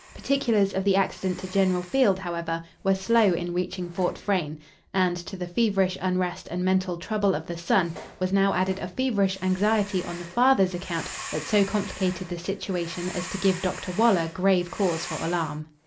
Particulars of the accident to General Field, however, were slow in reaching Fort Frayne; and, to the feverish unrest and mental trouble of the son, was now added a feverish anxiety on the father's account that so complicated the situation as to give Dr. Waller grave cause for alarm.